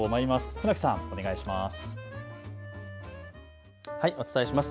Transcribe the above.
船木さん、お願いしますします。